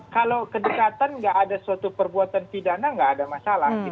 kalau kedekatan nggak ada suatu perbuatan pidana nggak ada masalah